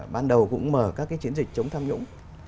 ban đầu cũng mở các cái chiến dịch chống tham nhũng